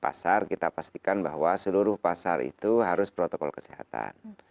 pasar kita pastikan bahwa seluruh pasar itu harus protokol kesehatan